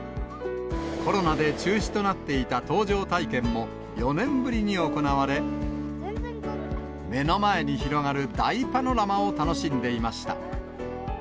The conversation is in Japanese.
コロナで中止となっていた搭乗体験も、４年ぶりに行われ、目の前に広がる大パノラマを楽しんでいました。